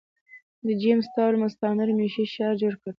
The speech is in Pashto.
د جېمز ټاون مستعمره مېشتی ښار جوړ کړ.